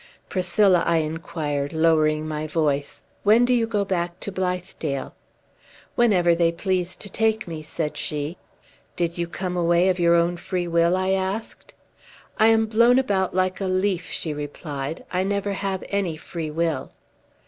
"Priscilla," I inquired, lowering my voice, "when do you go back to Blithedale?" "Whenever they please to take me," said she. "Did you come away of your own free will?" I asked. "I am blown about like a leaf," she replied. "I never have any free will."